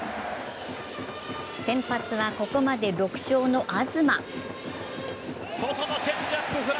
先発はここまで６勝の東。